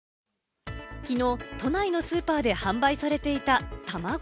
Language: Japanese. きのう都内のスーパーで販売されていた、たまご。